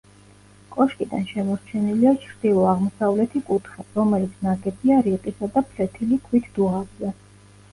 კოშკიდან შემორჩენილია ჩრდილო-აღმოსავლეთი კუთხე, რომელიც ნაგებია რიყისა და ფლეთილი ქვით დუღაბზე.